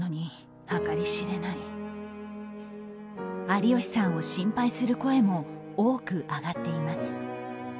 有吉さんを心配する声も多く上がっています。